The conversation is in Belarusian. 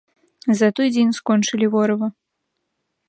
За той дзень скончылі ворыва.